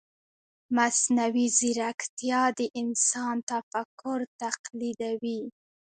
مصنوعي ځیرکتیا د انسان تفکر تقلیدوي.